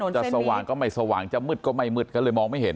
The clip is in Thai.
จะสว่างก็ไม่สว่างจะมืดก็ไม่มืดก็เลยมองไม่เห็น